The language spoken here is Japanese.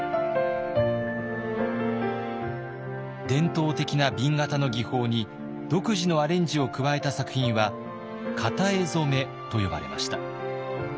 伝統的な紅型の技法に独自のアレンジを加えた作品は型絵染と呼ばれました。